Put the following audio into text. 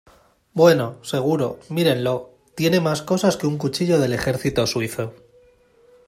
Bueno, seguro , mírenlo. Tiene más cosas que un cuchillo del ejército suizo .